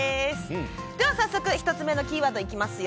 では早速１つ目のキーワードいきますよ。